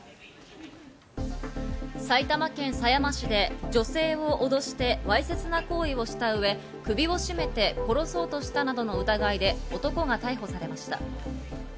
埼玉県狭山市で女性をおどしてわいせつな行為をしたうえ、首を絞めて殺そうとしたなどの疑いで男が逮捕されました。